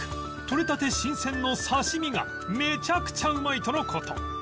とれたて新鮮の刺し身がめちゃくちゃうまいとの事